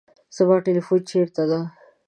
زما تلیفون چیرته دی؟